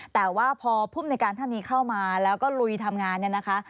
แต่ว่าพอภูมิในการท่านนี้เข้ามาแล้วก็ลุยทำงานเนี่ยนะคะ